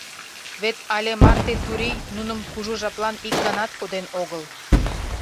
Вет але марте Турий нуным кужу жаплан ик ганат коден огыл.